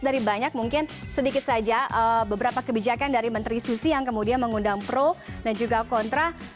dari banyak mungkin sedikit saja beberapa kebijakan dari menteri susi yang kemudian mengundang pro dan juga kontra